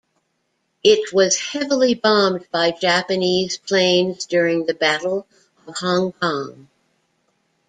It was heavily bombed by Japanese planes during the Battle of Hong Kong.